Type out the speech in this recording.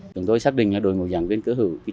chúng tôi xác định là đội ngũ giảng viên cơ hữu